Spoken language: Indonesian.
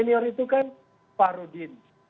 senior itu kan pak rudin